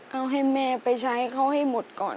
เอาให้แม่ไปใช้เขาให้หมดก่อน